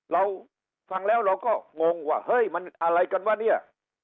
เราฟังแล้วเราก็งงว่าเฮ้ยมันอะไรกันวะเนี่ย